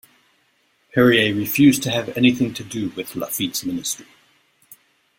Perier refused to have anything to do with Laffitte's ministry.